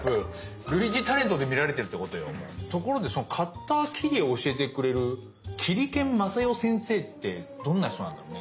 ところでカッター切り絵を教えてくれる切り剣Ｍａｓａｙｏ先生ってどんな人なんだろうね。